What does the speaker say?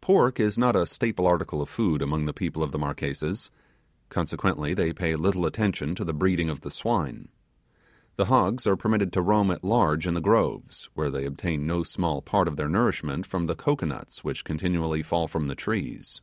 Pork is not a staple article of food among the people of the Marquesas; consequently they pay little attention to the BREEDING of the swine. The hogs are permitted to roam at large on the groves, where they obtain no small part of their nourishment from the cocoanuts which continually fall from the trees.